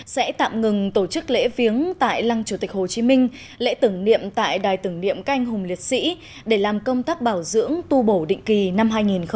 sẽ tạm ngừng tổ chức lễ viếng tại lăng chủ tịch hồ chí minh lễ tưởng niệm tại đài tưởng niệm canh hùng liệt sĩ để làm công tác bảo dưỡng tu bổ định kỳ năm hai nghìn hai mươi